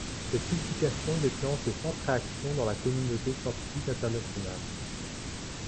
Cette publication déclenche de fortes réactions dans la communauté scientifique internationale.